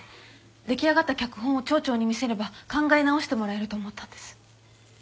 出来上がった脚本を町長に見せれば考え直してもらえると思ったんです。